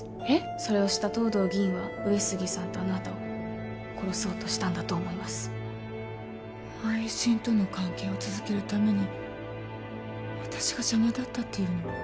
それを知った藤堂議員は上杉さんとあなたを殺そうとしたんだと思います愛人との関係を続けるために私が邪魔だったっていうの？